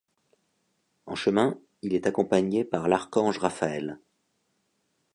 En chemin, il est accompagné par l'archange Raphaël.